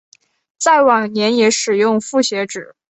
在晚年也使用复写纸。